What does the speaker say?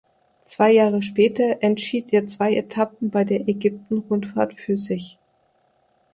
Zwei Jahre später entschied er zwei Etappen bei der Ägypten-Rundfahrt für sich.